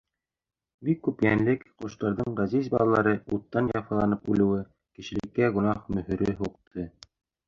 Бик күп йәнлек, ҡоштарҙың ғәзиз балалары уттан яфаланып үлеүе кешелеккә гонаһ мөһөрө һуҡты.